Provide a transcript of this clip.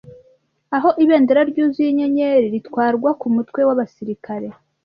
Aho ibendera ryuzuye inyenyeri ritwarwa kumutwe wabasirikare ,